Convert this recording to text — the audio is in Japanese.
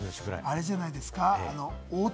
あれじゃないですか？